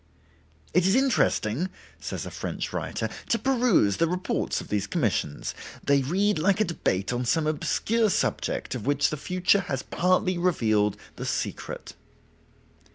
"It is interesting," says a French writer, "to peruse the reports of these commissions: they read like a debate on some obscure subject of which the future has partly revealed the secret."